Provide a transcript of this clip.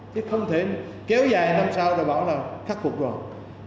chứ không thể kéo dài năm sau rồi bảo là khắc phục rồi